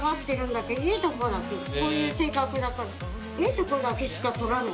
こういう性格だから梅澤）